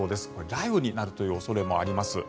雷雨になるという恐れもあります。